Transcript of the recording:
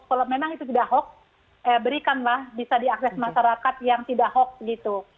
kalau memang itu tidak hoax berikanlah bisa diakses masyarakat yang tidak hoax gitu